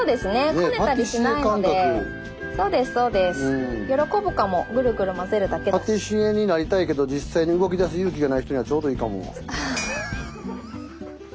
パティシエになりたいけど実際に動きだす勇気がない人にはちょうどいいかも。